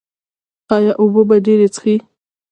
ایا اوبه به ډیرې څښئ؟